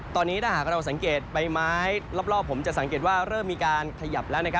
ตอนนี้ถ้าหากเราสังเกตใบไม้รอบผมจะสังเกตว่าเริ่มมีการขยับแล้ว